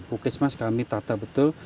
pukis mas kami tata betul